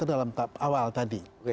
dalam awal tadi